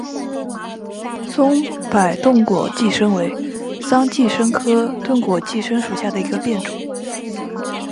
松柏钝果寄生为桑寄生科钝果寄生属下的一个变种。